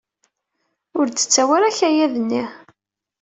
Ur d-tettawi ara akayad-nni.